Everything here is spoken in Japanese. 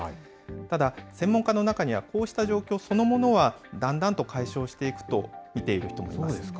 ただ、専門家の中には、こうした状況そのものはだんだんと解消していくと見ている人もいます。